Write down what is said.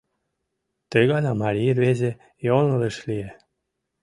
Ты гана марий рвезе йоҥылыш лие.